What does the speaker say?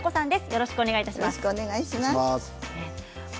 よろしくお願いします。